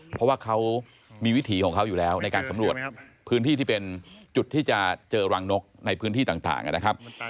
เพราะว่าเขามีวิถีของเขาอยู่แล้วในการสำรวจพื้นที่ที่เป็นจุดที่จะเจอรังนกในพื้นที่ต่างนะครับ